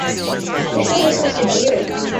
The show was hosted by Yuri.